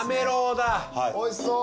おいしそう。